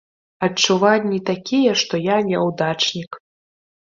Адчуванні такія, што я няўдачнік.